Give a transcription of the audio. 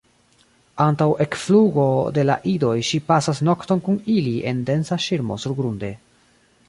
Antaŭ ekflugo de la idoj ŝi pasas nokton kun ili en densa ŝirmo surgrunde.